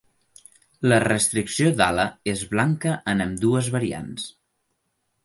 La restricció d'ala és blanca en ambdues variants.